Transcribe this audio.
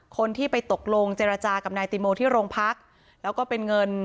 คนที่ไปตกลงเจรจากับนายติโมที่โรงพักแล้วก็เป็นเงิน